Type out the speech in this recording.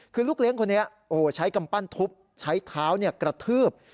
คือลูกเลี้ยงคนนี้ใช้กำปั้นทุบใช้เท้ากระทืบ